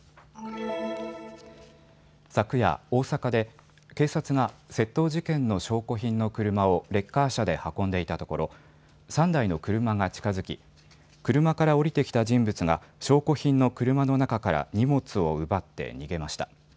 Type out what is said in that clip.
昨夜、大阪で警察が窃盗事件の証拠品の車をレッカー車で運んでいたところ３台の車が近づき車から降りてきた人物が証拠品の車の中から荷物を奪って逃げました。